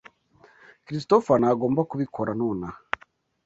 Christopher ntagomba kubikora nonaha.